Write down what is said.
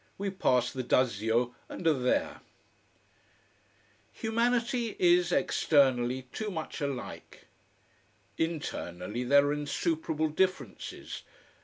We pass the Dazio and are there. Humanity is, externally, too much alike. Internally there are insuperable differences.